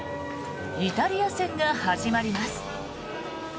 イタリア戦が始まります。